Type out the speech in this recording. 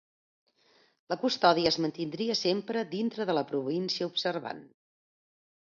La custòdia es mantindria sempre dintre de la província observant.